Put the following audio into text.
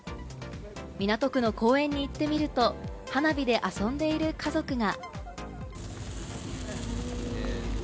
港区の公園に行ってみると、花火で遊んでいる家族が。